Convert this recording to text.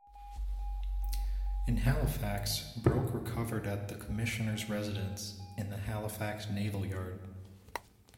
In Halifax, Broke recovered at the Commissioner's residence in the Halifax Naval Yard.